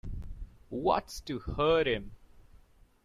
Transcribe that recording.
What's to hurt him!